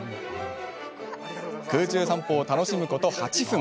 空中散歩を楽しむこと８分。